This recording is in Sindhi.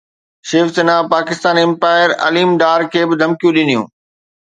شيو سينا پاڪستان امپائر عليم ڊار کي به ڌمڪيون ڏنيون